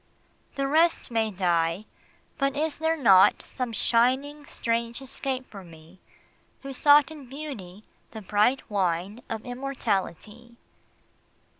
The rest may die but is there not Some shining strange escape for me Who sought in Beauty the bright wine Of immortality?